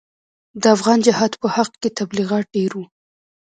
د افغان جهاد په حق کې تبلیغات ډېر وو.